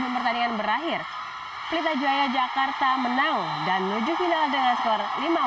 pertandingan terakhir pelita juaya jakarta menang dan menuju final dengan skor lima puluh delapan enam puluh